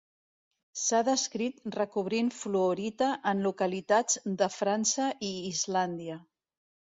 S'ha descrit recobrint fluorita en localitats de França i Islàndia.